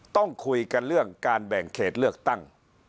ต้องคุยกันเรื่องการแบ่งเขตเลือกตั้ง